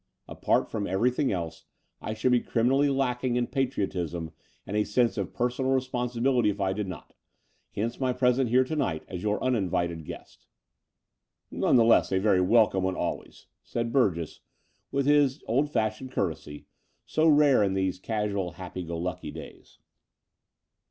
Apart from everything else, I shotild be criminally lacking in patriotism and a sense of personal responsibility if I did not. Hence my presence here to night as your luiinvited guest." *' None the less a very welcome one always, '* said Burgess with his old fashioned courtesy, so rare in these casual, happy go lucky days.